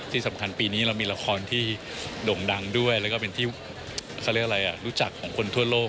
ที่สำคัญปีนี้เรามีละครที่โด่งดังด้วยแล้วก็เป็นที่เขาเรียกอะไรอ่ะรู้จักของคนทั่วโลก